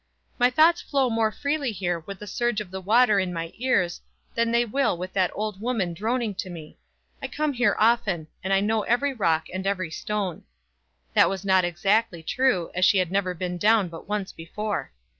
"My thoughts flow more freely here with the surge of the water in my ears, than they will with that old woman droning to me. I come here often, and know every rock and every stone." That was not exactly true, as she had never been down but once before.